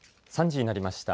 ３時になりました。